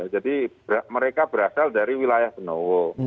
jadi mereka berasal dari wilayah benowo